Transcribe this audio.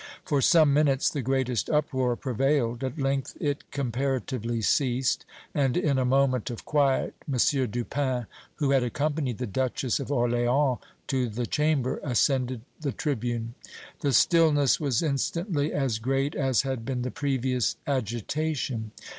For some minutes the greatest uproar prevailed. At length it comparatively ceased, and, in a moment of quiet, M. Dupin, who had accompanied the Duchess of Orléans to the Chamber, ascended the tribune. The stillness was instantly as great as had been the previous agitation.